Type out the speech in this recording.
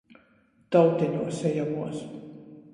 Tauteņuos ejamuos...